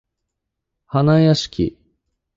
はなやしき